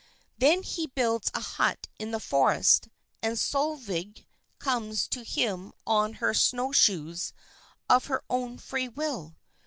Then he builds a hut in the forest, and Solvejg comes to him on her snow shoes of her own free will.